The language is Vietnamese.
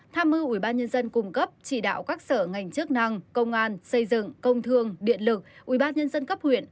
tham mưu ubnd cung cấp chỉ đạo các sở ngành chức năng công an xây dựng công thương điện lực ubnd cấp huyện